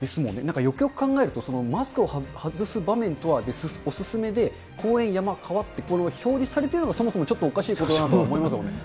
よくよく考えると、マスクを外す場面とはお勧めで、公園、山、川って表示されてるのがそもそもちょっとおかしいことだなと思います。